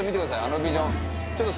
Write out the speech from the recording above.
あのビジョン